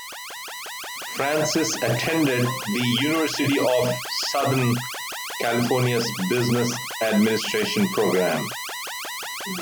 Francis attended the University of Southern California's Business Administration program.